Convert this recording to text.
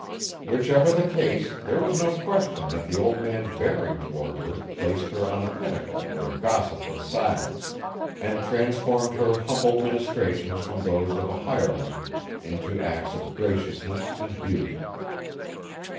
Whichever the case there was no question that the old man's bearing toward her placed her on a pinnacle where gossip was silenced, and transformed her humble ministrations from those of a hireling into acts of graciousness and beauty.